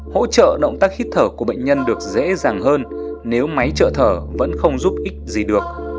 hỗ trợ động tác hít thở của bệnh nhân được dễ dàng hơn nếu máy trợ thở vẫn không giúp ích gì được